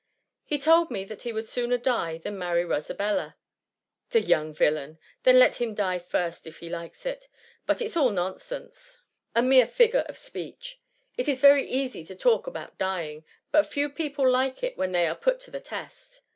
^* He told me that he would sooner die than marry Hosabella." " The young villain ! then let him die, if he likes it. But it 's all nonsense^— a mere figure 184 THE MCTMMY. of speech. It is very easy to talk about dying ; but few people like it when they are put to the test.